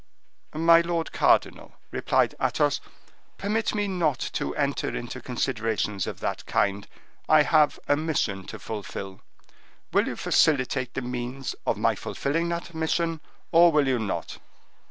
"My lord cardinal," replied Athos, "permit me not to enter into considerations of that kind. I have a mission to fulfill. Will you facilitate the means of my fulfilling that mission, or will you not?"